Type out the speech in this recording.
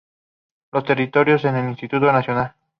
Los terminó en el Instituto Nacional.